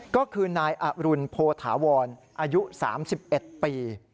ก็คือนายอรุณโพธาวรอายุ๓๑ปี